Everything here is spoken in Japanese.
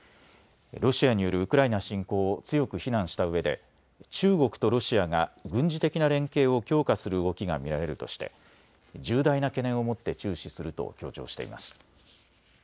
ロシアによるウクライナ侵攻を強く非難したうえで中国とロシアが軍事的な連携を強化する動きが見られるとして重大な懸念をもって注視すると強調しています。